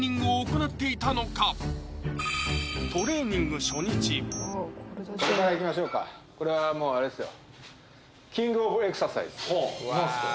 これからいきましょうかこれはもうあれですよ